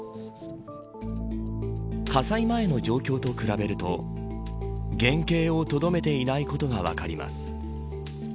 火災前の状況と比べると原型をとどめていないことが分かります。